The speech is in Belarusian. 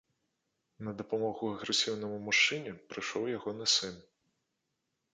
На дапамогу агрэсіўнаму мужчыне прыйшоў ягоны сын.